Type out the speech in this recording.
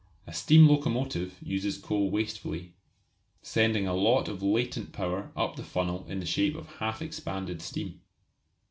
A steam locomotive uses coal wastefully, sending a lot of latent power up the funnel in the shape of half expanded steam.